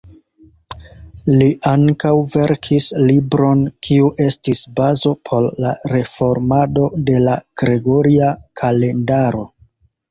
Li ankaŭ verkis libron kiu estis bazo por la reformado de la gregoria kalendaro.